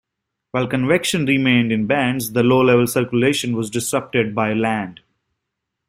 While convection remained in bands, the low level circulation was disrupted by land.